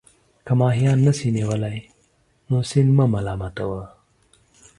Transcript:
که ماهيان نسې نيولى، نو سيند مه ملامت وه.